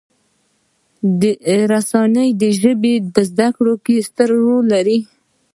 رسنۍ د ژبې په زده کړې کې ستر رول لري.